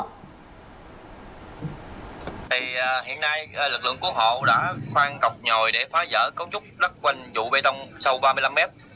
hiện nay lực lượng cứu hộ đã khoan cọc nhòi để phá giỡn cấu trúc đất quanh trụ bê tông sâu ba mươi năm m